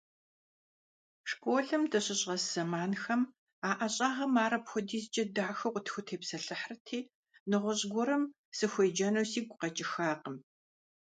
Школым дыщыщӀэс зэманхэм а ӀэщӀагъэм ар апхуэдизкӀэ дахэу къытхутепсэлъыхьырти, нэгъуэщӀ гуэрым сыхуеджэну сигу къэкӀыхакъым.